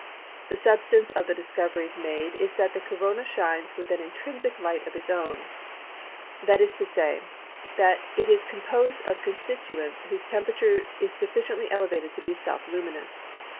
The substance of the discoveries made is that the Corona shines with an intrinsic light of its own, that is to say, that it is composed of constituents whose temperature is sufficiently elevated to be self luminous.